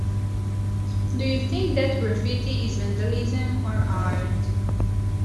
Do you think that graffiti is vandalism or art?